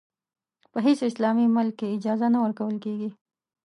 په هېڅ اسلامي ملک کې اجازه نه ورکول کېږي.